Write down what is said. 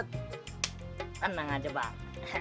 tenang aja bang